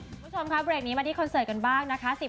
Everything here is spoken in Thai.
คุณผู้ชมค่ะเบรกนี้มาที่คอนเสิร์ตกันบ้างนะคะ